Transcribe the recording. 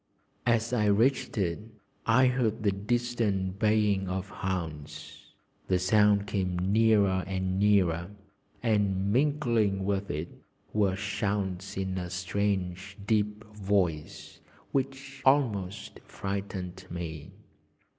As I reached it I heard the distant baying of hounds; the sound came nearer and nearer, and mingling with it were shouts in a strange deep voice, which almost frightened me.